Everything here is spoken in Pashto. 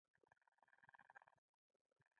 فرید د پله پر یوه کونج باندې پروت و.